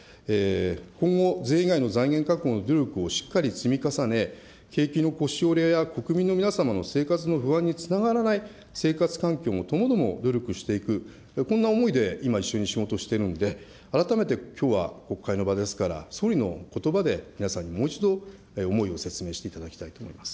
今後、税以外の財源確保の努力をしっかり積み重ね、景気の腰折れや国民の皆様の生活の不安につながらない生活環境もともども努力していく、こんな思いで今、一緒に仕事をしているんで、改めてきょうは国会の場ですから、総理のことばで皆さんに、もう一度、思いを説明していただきたいと思います。